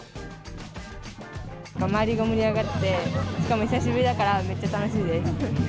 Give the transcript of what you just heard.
周りが盛り上がって、しかも久しぶりだからめっちゃ楽しいです。